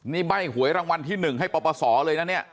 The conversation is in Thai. นี่ใบ้หวยรางวัลที่๑ให้ปปศเลยนะเนี่ย